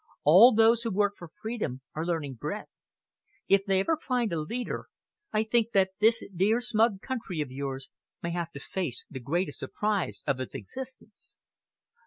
All those who work for freedom are learning breadth. If they ever find a leader, I think that this dear, smug country of yours may have to face the greatest surprise of its existence."